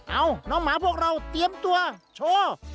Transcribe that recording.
เอาน้องหมาพวกเราเตรียมตัวโชว์